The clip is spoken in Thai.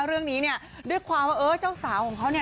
เรื่องนี้เนี่ยด้วยความว่าเออเจ้าสาวของเขาเนี่ย